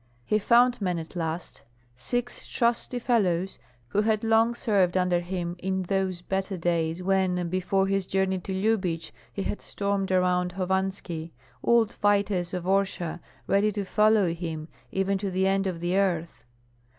He found men at last, six trusty fellows who had long served under him in those better days when before his journey to Lyubich he had stormed around Hovanski, old fighters of Orsha, ready to follow him even to the end of the earth.